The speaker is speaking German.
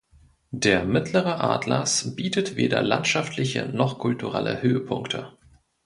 Der Mittlere Atlas bietet weder landschaftliche noch kulturelle Höhepunkte.